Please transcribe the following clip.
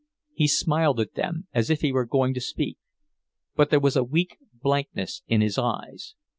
He smiled at them as if he were going to speak, but there was a weak blankness in his eyes.